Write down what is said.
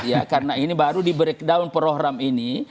ya karena ini baru di breakdown program ini